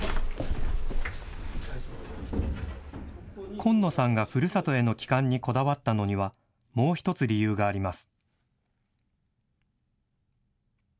紺野さんがふるさとへの帰還にこだわったのには、もう１つ理由があります。